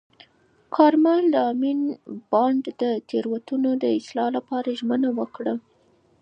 کارمل د امین بانډ د تېروتنو د اصلاح لپاره ژمنه وکړه.